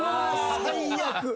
最悪！